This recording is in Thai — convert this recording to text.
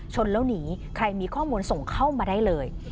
แล้วหนีใครมีข้อมูลส่งเข้ามาได้เลย